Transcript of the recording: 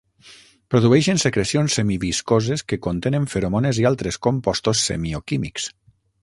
Produeixen secrecions semi-viscoses que contenen feromones i altres compostos semioquímics.